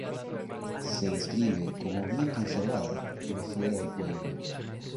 Se describe como bien conservada pero fuera del pueblo.